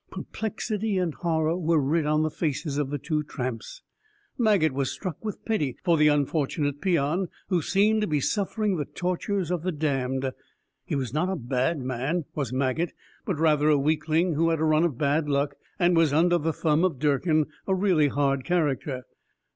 Perplexity and horror were writ on the faces of the two tramps. Maget was struck with pity for the unfortunate peon, who seemed to be suffering the tortures of the damned. He was not a bad man, was Maget, but rather a weakling who had a run of bad luck and was under the thumb of Durkin, a really hard character.